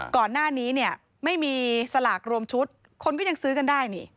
ก่อนหน้านี้เนี่ยไม่มีสลากรวมชุดคนก็ยังซื้อกันได้นี่